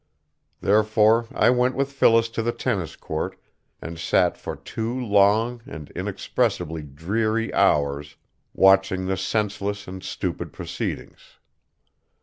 Therefore I went with Phyllis to the tennis court and sat for two long and inexpressibly dreary hours watching the senseless and stupid proceedings.